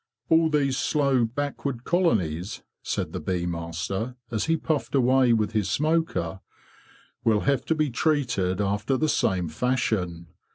"All these slow, backward colonies,' said the bee master, as he puffed away with his smoker, "will have to be treated after the same fashion.